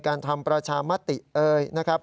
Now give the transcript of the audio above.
ทำประชามติเอ่ยนะครับ